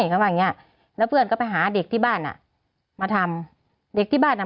เขาว่าอย่างเงี้ยแล้วเพื่อนก็ไปหาเด็กที่บ้านอ่ะมาทำเด็กที่บ้านอ่ะ